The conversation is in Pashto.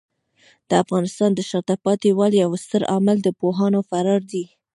د افغانستان د شاته پاتې والي یو ستر عامل د پوهانو فرار دی.